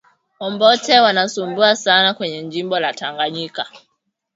Wambote wana sumbua sana kwenye jimbo ya tanganyika